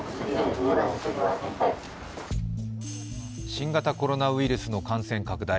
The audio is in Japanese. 新型コロナウイルスの感染拡大。